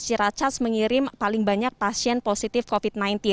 ciracas mengirim paling banyak pasien positif covid sembilan belas